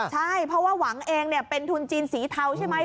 ใช่เพราะว่าหวังเองเป็นทุนจีนสีเทาใช่ไหม